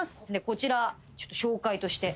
こちら紹介として。